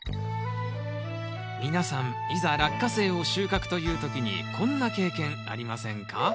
皆さんいざラッカセイを収穫という時にこんな経験ありませんか？